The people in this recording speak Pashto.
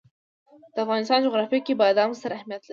د افغانستان جغرافیه کې بادام ستر اهمیت لري.